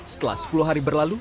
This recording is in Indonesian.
setelah sepuluh hari berlalu